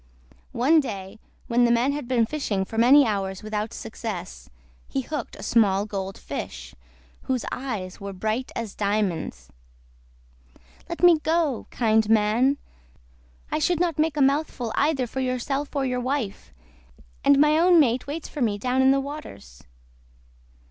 One day when the man had been fishing for many hours without success, he hooked a small Gold Fish, whose eyes were bright as diamonds. "Let me go, kind man," the little creature cried. "I should not make a mouthful either for yourself or your wife, and my own mate waits for me down in the waters."